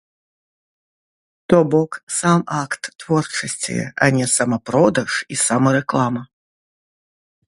То бок, сам акт творчасці, а не самапродаж і самарэклама.